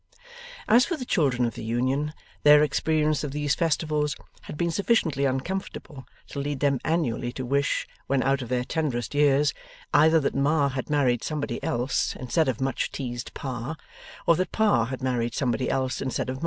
As for the children of the union, their experience of these festivals had been sufficiently uncomfortable to lead them annually to wish, when out of their tenderest years, either that Ma had married somebody else instead of much teased Pa, or that Pa had married somebody else instead of Ma.